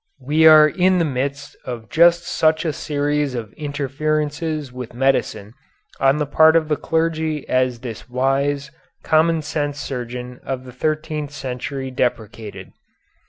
We are in the midst of just such a series of interferences with medicine on the part of the clergy as this wise, common sense surgeon of the thirteenth century deprecated.